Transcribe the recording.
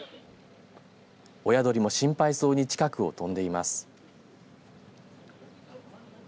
親鳥も心配そうに近くを飛んでいます。